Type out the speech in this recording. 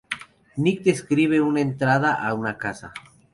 Nick describe una entrada a una casa.